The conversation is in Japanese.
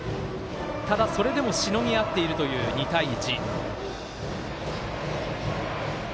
ただ、それでもしのぎ合っているという２対１。